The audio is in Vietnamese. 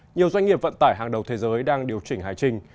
nhiều doanh nghiệp vận tải hàng đầu thế giới đang điều chỉnh hải trình